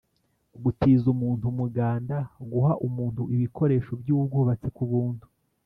gutiza umuntu umuganda: guha umuntu ibikoresho by’ubwubatsi ku buntu